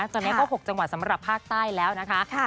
ตอนนี้ก็๖จังหวัดสำหรับภาคใต้แล้วนะคะ